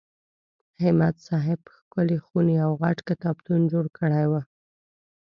همت صاحب ښکلې خونې او غټ کتابتون جوړ کړی و.